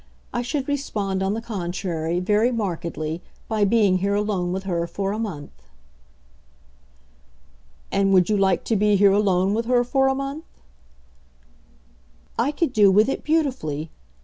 I should respond, on the contrary, very markedly by being here alone with her for a month." "And would you like to be here alone with her for a month?" "I could do with it beautifully.